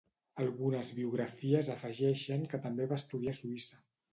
Algunes biografies afegeixen que també va estudiar a Suïssa.